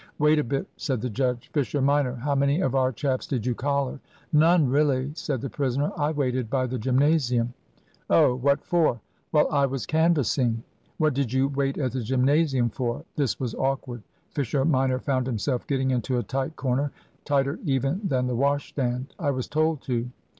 "Wait a bit," said the judge. "Fisher minor, how many of our chaps did you collar?" "None, really," said the prisoner. "I waited by the gymnasium." "Oh. What for?" "Well, I was canvassing." "What did you wait at the gymnasium for?" This was awkward. Fisher minor found himself getting into a tight corner, tighter even than the wash stand. "I was told to."